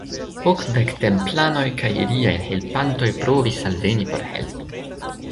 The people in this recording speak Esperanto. Okdek templanoj kaj iliaj helpantoj provis alveni por helpi.